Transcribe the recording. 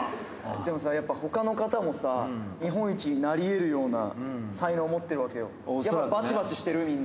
でもさあ、ほかの方もさ、日本一になりえるような才能を持ってるわけよ。